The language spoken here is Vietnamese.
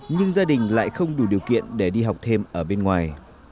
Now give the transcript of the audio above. nhưng gia đình lại không đủ điều kiện để đi học thêm ở bên ngoài